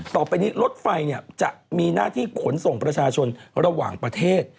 ต่อไปนี้รถไฟจะมีหน้าที่ขนส่งประชาชนระหว่างประเทศ